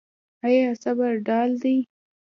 آیا صبر ډال دی؟